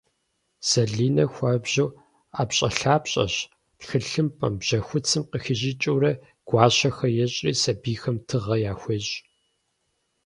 Зэлинэ хуабжьу ӏэпщӏэлъапщӏэщ - тхылъымпӏэм, бжьэхуцым къыхищӏыкӏыурэ гуащэхэр ещӏри сэбийхэм тыгъэ яхуещӏ.